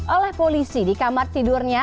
oleh polisi di kamar tidurnya